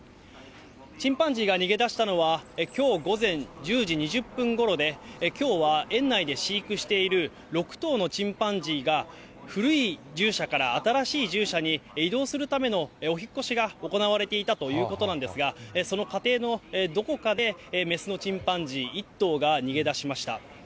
チンパンジーが逃げ出したのは、きょう午前１０時２０分ごろで、きょうは園内で飼育している６頭のチンパンジーが、古い獣舎から新しい獣舎に移動するためのお引っ越しが行われていたということなんですが、その過程のどこかで、雌のチンパンジー１頭が逃げ出しました。